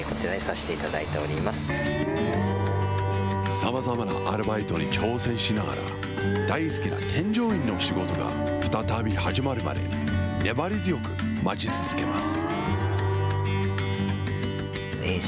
さまざまなアルバイトに挑戦しながら、大好きな添乗員の仕事が再び始まるまで、粘り強く待ち続けます。